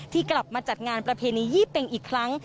กลับมาจัดงานประเพณียี่เป็งอีกครั้ง